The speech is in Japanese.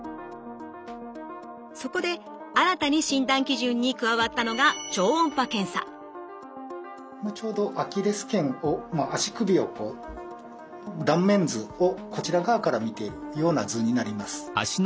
そこで新たに診断基準に加わったのがちょうどアキレス腱を足首を断面図をこちら側から見ているような図になります。